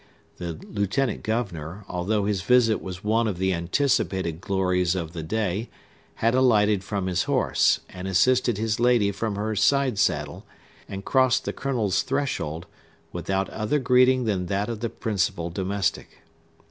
The lieutenant governor, although his visit was one of the anticipated glories of the day, had alighted from his horse, and assisted his lady from her side saddle, and crossed the Colonel's threshold, without other greeting than that of the principal domestic.